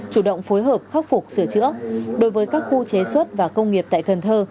chủ động phối hợp khắc phục sửa chữa đối với các khu chế xuất và công nghiệp tại cần thơ